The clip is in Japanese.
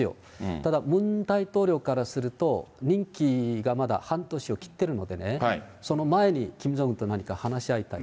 ただ、ムン大統領からすると、任期がまだ半年を切ってるので、その前にキム・ジョンウンと何か話し合いたい。